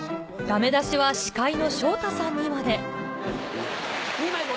だめ出しは司会の昇太さんにまで。